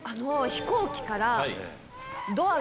飛行機から。